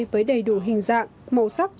với đầy đủ hình dạng màu sắc